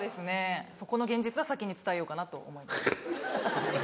そこの現実は先に伝えようかなと思います。